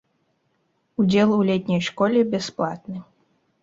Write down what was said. Удзел у летняй школе бясплатны.